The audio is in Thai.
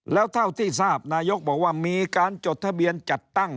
แล้วเท่าที่ทราบนายกบอกว่ามีการจดทะเบียนจัดตั้ง